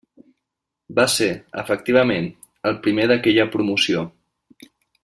Va ser, efectivament, el primer d'aquella promoció.